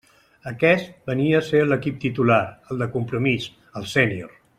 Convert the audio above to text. Aquest venia a ser l'equip titular, el de compromís, el sènior.